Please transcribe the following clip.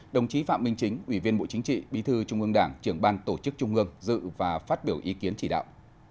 đồng chí phạm minh chính ủy viên bộ chính trị bí thư trung ương đảng trưởng ban tổ chức trung ương dự và phát biểu ý kiến chỉ đạo